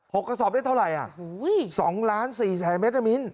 หกกระสอบได้เท่าไหร่อ่ะหู้ยยยยยย๒ล้าน๔แสนเมตรนะมิร์น